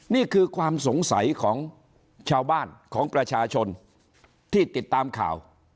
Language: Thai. นี่คือความสงสัยของชาวบ้านของประชาชนที่ติดตามข่าว